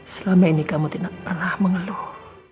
selama ini kamu tidak pernah mengeluh